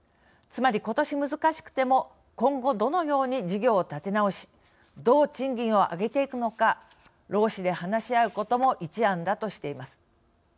つまり、ことし難しくても今後どのように事業を立て直しどう賃金を上げていくのか労使で話し合うことも一案だとしています。